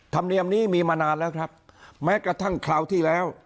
ธรรมเนียมนี้มีมานานแล้วครับแม้กระทั่งคราวที่แล้ว